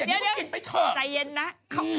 อย่างนี้มึงกินไปเถอะเดี๋ยวใจเย็นนะ